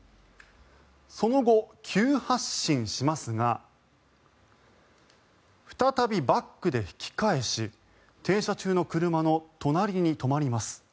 その後、急発進しますが再びバックで引き返し停車中の車の隣に止まります。